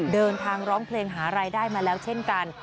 เดินทางร้องเพลงหารายได้มาแล้วเช่นกัน